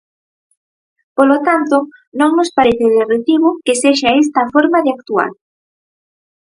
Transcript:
Polo tanto, non nos parece de recibo que sexa esta a forma de actuar.